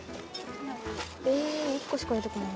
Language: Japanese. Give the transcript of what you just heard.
え１個しか出てこない。